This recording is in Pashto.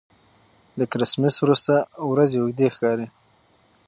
د کرېسمېس وروسته ورځې اوږدې ښکاري.